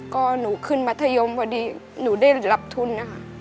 ก็หนูขึ้นมัธยมพอดีหนูได้รับทุนนะคะ